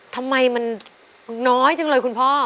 ทำไมมันน้อยจังเลยคุณพ่อ